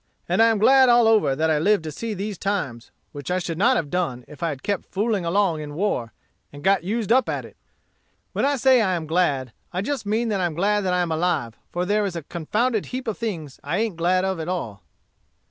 And I am glad all over that I lived to see these times, which I should not have done if I had kept fooling along in war, and got used up at it. When I say I am glad, I just mean that I am glad that I am alive, for there is a confounded heap of things I ain't glad of at all."